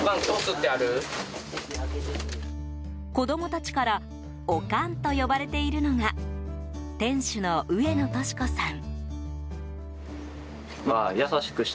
子供たちからオカンと呼ばれているのが店主の上野敏子さん。